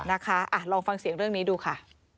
นะคะลองฟังเสียงเรื่องนี้ดูค่ะ